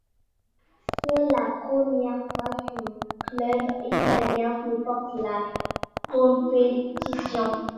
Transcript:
C'est la première fois qu'un club italien remporte la compétition.